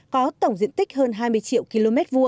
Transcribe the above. có tổng diện tích hơn hai mươi triệu km hai